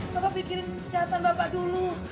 bapak pikirin kesehatan bapak dulu